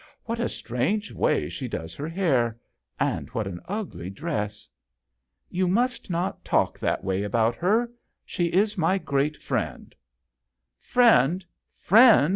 " What a strange way she does her hair ; and what an ugly dress !"" You must not talk that way about her she is my great friend." " Friend ! friend